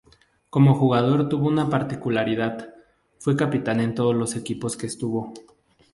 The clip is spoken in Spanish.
Como jugador tuvo una particularidad, fue capitán en todos los equipos que estuvo.